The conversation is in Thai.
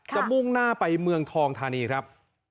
มุ่งหน้าไปเมืองทองธานีครับ